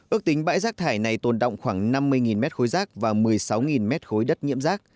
ước tính bãi rác thải này tồn động khoảng năm mươi mét khối rác và một mươi sáu mét khối đất nhiễm rác